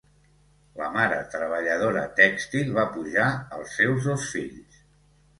La mare treballadora tèxtil va pujar els seus dos fills.